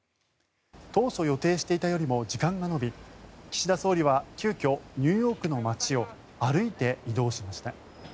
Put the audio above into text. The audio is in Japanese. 当初予定していたよりも時間が延び岸田総理は急きょニューヨークの街を歩いて移動しました。